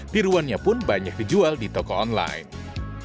tiruannya pun banyak dijual di toko online